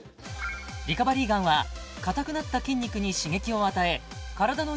リカバリーガンは硬くなった筋肉に刺激を与え体の違和感の軽減が目指せる